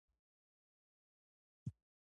د نجونو تعلیم د ښځو باور زیاتولو لامل دی.